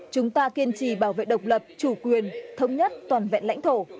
chúng ta kiên trì bảo vệ độc lập chủ quyền thống nhất toàn vẹn lãnh thổ